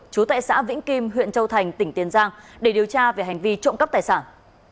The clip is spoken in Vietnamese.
chú tại xã vĩnh kim huyện châu thành tỉnh tiền giang để điều tra về hành vi trộm cắp tài sản